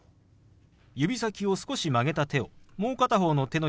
指先を少し曲げた手をもう片方の手のひらにポンと置きます。